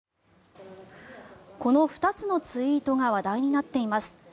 この２つのツイートが話題になっています。